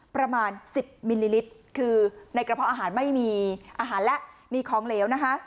ประมาณ๑๐มิลลิลิตรคือในกระเพาะอาหารไม่มีอาหารและมีของเหลวนะคะ